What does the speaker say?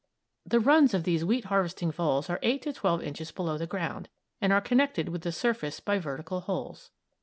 The runs of these wheat harvesting voles are eight to twelve inches below the ground, and are connected with the surface by vertical holes.